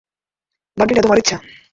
বাকীটা তোমার ইচ্ছা।